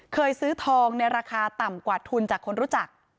เคยซื้อทองในราคาต่ำกว่าทุนจากคนรู้จัก